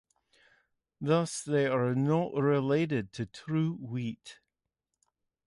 Thus they are not related to true wheat.